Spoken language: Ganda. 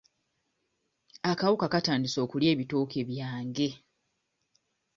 Akawuka katandise okulya ebitooke byange.